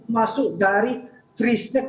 masuk dari free sex